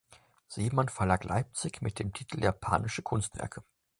Seemann Verlag Leipzig mit dem Titel „Japanische Kunstwerke“.